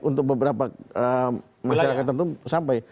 untuk beberapa masyarakat tertentu sampai